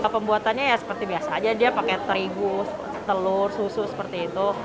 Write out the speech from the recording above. pembuatannya ya seperti biasa aja dia pakai terigu telur susu seperti itu